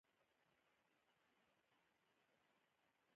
دوه شپیتم سوال د قرارداد اجزا بیانوي.